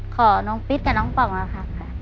ขอน้องปิ๊ดกับน้องป๋องนะครับ